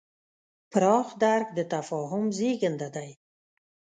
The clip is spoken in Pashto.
پراخ درک د تفاهم زېږنده دی.